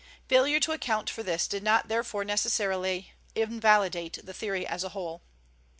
Failure to account for this did not therefore necessarily invalidate the theory as a whole.